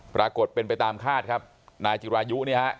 ปรากฏเป็นไปตามคาดครับนายจิรายุเนี่ยฮะ